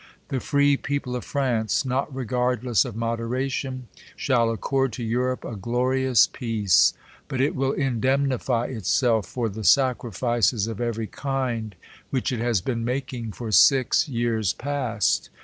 The free peo ple of France, not regardless of moderation, shall accord to Europe a glorious peace ; but it will indemnify itself for the sacrifices of every kind which it has been making for six years past.